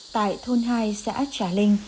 tại thôn hai xã trà linh